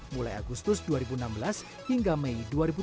mulai agustus dua ribu enam belas hingga mei dua ribu dua puluh